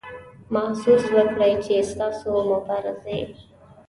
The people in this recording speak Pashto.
محسوس به کړئ چې ستاسو مبارزې.